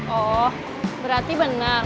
oh berarti bener